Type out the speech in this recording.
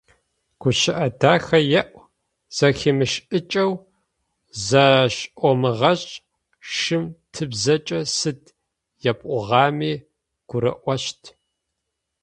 Гущыӏэ дахэ еӏу, зэхимышӏыкӏэу зышӏомыгъэшӏ, шым тыбзэкӏэ сыд епӏуагъэми гурыӏощт.